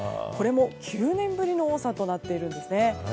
これも９年ぶりの多さとなっているんですね。